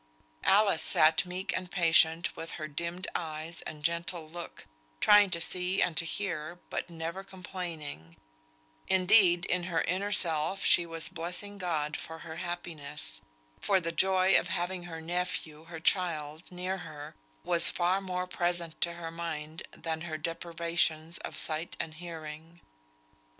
Alice sat meek and patient with her dimmed eyes and gentle look, trying to see and to hear, but never complaining; indeed, in her inner self she was blessing God for her happiness; for the joy of having her nephew, her child, near her, was far more present to her mind, than her deprivations of sight and hearing.